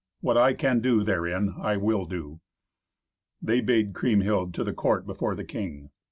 What I can do therein I will do." They bade Kriemhild to the court before the king.